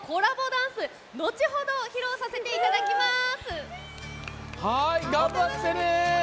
ダンス後ほど披露させていただきます。